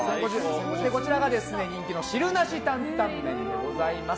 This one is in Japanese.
こちらが人気の汁なし担々麺でございます。